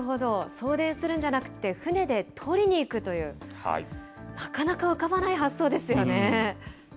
送電するんじゃなくて船で取りに行くという、なかなか浮かばない発想ですよね。